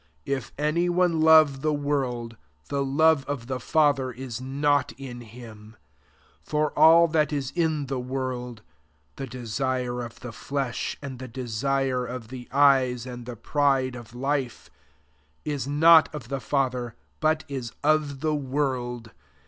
If any one love the world, the love of the Father is not in him ; 16 for all that ia in the world, (the desire of the fleshy and the desire of the eyes, and the pride of life,) is not of the Father, but is of the world.